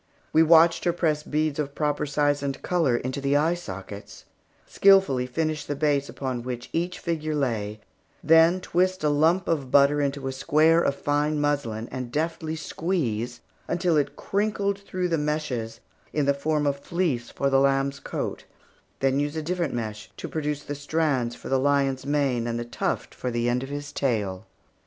We watched her press beads of proper size and color into the eye sockets; skilfully finish the base upon which each figure lay; then twist a lump of butter into a square of fine muslin, and deftly squeeze, until it crinkled through the meshes in form of fleece for the lamb's coat, then use a different mesh to produce the strands for the lion's mane and the tuft for the end of his tail.